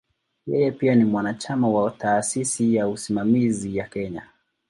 Yeye pia ni mwanachama wa "Taasisi ya Usimamizi ya Kenya".